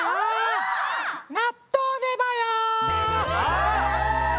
あ！